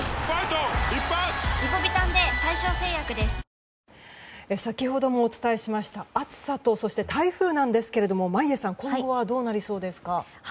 ＪＴ先ほどもお伝えしました暑さと、そして台風ですけれども眞家さん今後はどうなりそうですか？